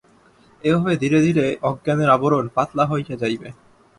এভাবে ধীরে ধীরে অজ্ঞানের আবরণ পাতলা হইয়া যাইবে।